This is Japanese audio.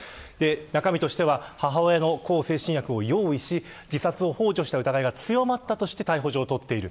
中身としては母親の向精神薬を用意し自殺をほう助した疑いが強まったとして逮捕状を取っている。